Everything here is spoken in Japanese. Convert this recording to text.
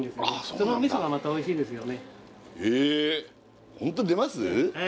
そのみそがまたおいしいですよねええ